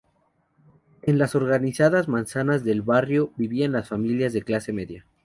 En las organizadas manzanas del barrio, vivían familias de clase media.